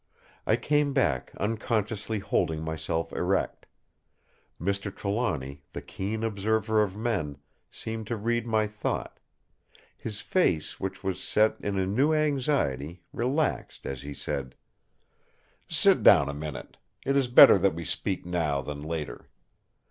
I came back, unconsciously holding myself erect. Mr. Trelawny, the keen observer of men, seemed to read my thought; his face, which was set in a new anxiety, relaxed as he said: "Sit down a minute; it is better that we speak now than later.